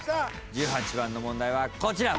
１８番の問題はこちら。